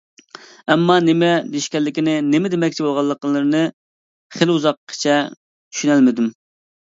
ئەمما نېمە دېيىشكەنلىكىنى، نېمە دېمەكچى بولغانلىقلىرىنى خېلى ئۇزاققىچە چۈشىنەلمىدىم.